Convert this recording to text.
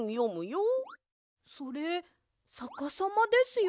それさかさまですよ。